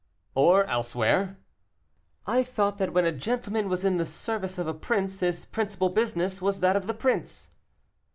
"Or elsewhere." "I thought that when a gentleman was in the service of a prince, his principal business was that of the prince."